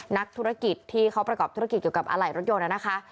นักธุรกิจที่เขาประกอบธุรกิจเกี่ยวกับอะไหล่รถยนต์นะคะ